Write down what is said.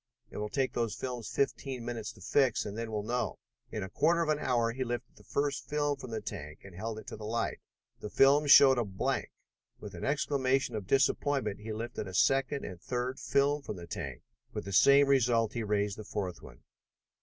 It will take those films fifteen minutes to fix, and then we'll know." In a quarter of an hour he lifted the first film from the tank and held it to the light. The film showed a blank. With an exclamation of disappointment he lifted a second and third film from the tank, with the same result He raised the fourth one.